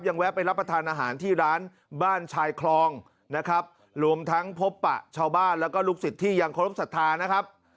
แวะไปรับประทานอาหารที่ร้านบ้านชายคลองนะครับรวมทั้งพบปะชาวบ้านแล้วก็ลูกศิษย์ที่ยังเคารพสัทธานะครับ